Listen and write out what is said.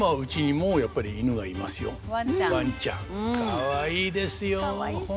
かわいいですよ本当に。